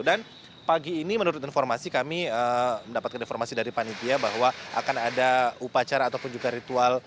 dan pagi ini menurut informasi kami mendapatkan informasi dari panitia bahwa akan ada upacara ataupun juga ritual